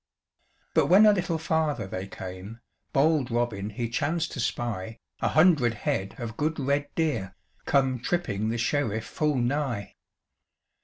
But when a little farther they came, Bold Robin he chanced to spy A hundred head of good red deer, Come tripping the Sheriff full nigh.